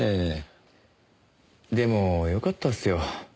でもよかったっすよ。